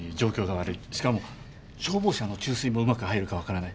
しかも消防車の注水もうまく入るか分からない。